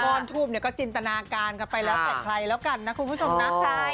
อนทูบเนี่ยก็จินตนาการกันไปแล้วแต่ใครแล้วกันนะคุณผู้ชมนะ